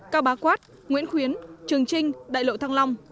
cao bá quát nguyễn khuyến trường trinh đại lộ thăng long